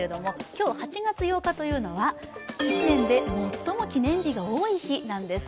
今日８月８日というのは１年で最も記念日が多い日なんです。